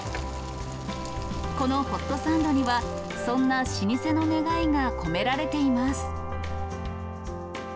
このホットサンドには、そんな老舗の願いが込められています。